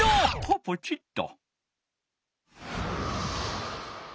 ポチッと。